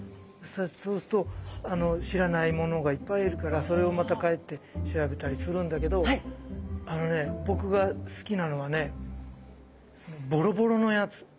そうすると知らないものがいっぱいいるからそれをまた帰って調べたりするんだけどあのねボボロボロ？